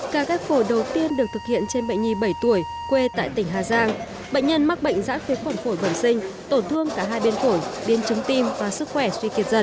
ca ghép phổi đầu tiên được thực hiện trên bệnh nhi bảy tuổi quê tại tỉnh hà giang bệnh nhân mắc bệnh giãn phế quản phổi bẩm sinh tổn thương cả hai bên phổi biên chứng tim và sức khỏe suy kiệt dần